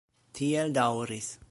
Tiel daŭris.